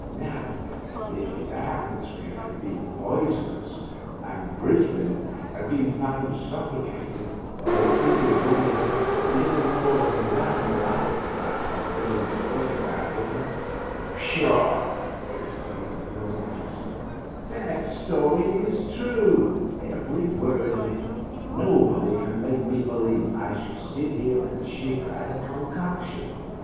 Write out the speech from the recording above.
Now, if his atmosphere had been poi sonous and Brisbane had been found suffocated, or if he had only had a little more of the Bam Lai style of going to work about Hm —"" Pshaw I " exclaimed the Romancer, " that story is true, every word of it. Nobody can make me believe I should sit here and shiver at a concoction.